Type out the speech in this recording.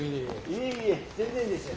いえいえ全然ですよ。